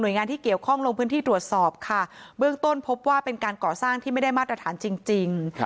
โดยงานที่เกี่ยวข้องลงพื้นที่ตรวจสอบค่ะเบื้องต้นพบว่าเป็นการก่อสร้างที่ไม่ได้มาตรฐานจริง